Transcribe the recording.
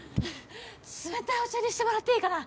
冷たいお茶にしてもらっていいかな？